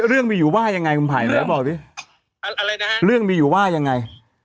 เรื่องมีอยู่ว่ายังไงคุณภัยเรื่องมีอยู่ว่ายังไง